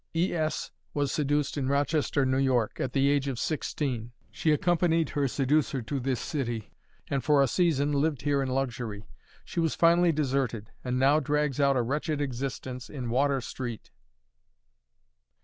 E. S. was seduced in Rochester, N. Y., at the age of sixteen. She accompanied her seducer to this city, and for a season lived here in luxury. She was finally deserted, and now drags out a wretched existence in Water Street.